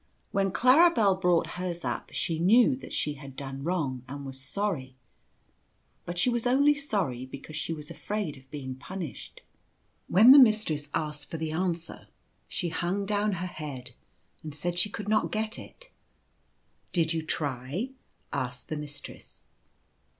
When Claribel brought hers up she knew that she had done wrong and was sorry; but she was only sorry because she was afraid of being punished. When the Mistress asked for the answer she hung down her head and said she could not get it. "Did you try ?" asked the Mistress.